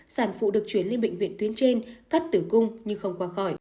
sản phụ được chuyển lên bệnh viện tuyến trên cắt tử cung nhưng không qua khỏi